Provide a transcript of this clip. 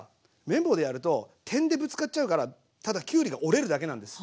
麺棒でやると点でぶつかっちゃうからただきゅうりが折れるだけなんです。